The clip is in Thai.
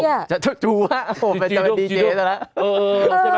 ดูว่าโอ้โฮมันจำเป็นดีเจสต์แล้วนะ